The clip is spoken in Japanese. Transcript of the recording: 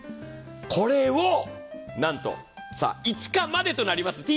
これをなんと、５日までとなります。